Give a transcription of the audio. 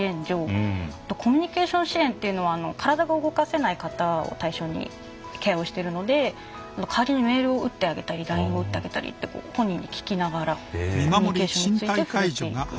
あとコミュニケーション支援っていうのは体が動かせない方を対象にケアをしてるので代わりにメールを打ってあげたりＬＩＮＥを打ってあげたりって本人に聞きながらコミュニケーションについて触れていく。